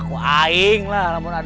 ku aing lah